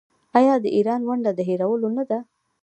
آیا د ایران ونډه د هیرولو نه ده؟